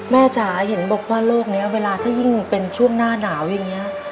จ๋าเห็นบอกว่าโลกนี้เวลาที่ยิ่งเป็นช่วงหน้าหนาวอย่างนี้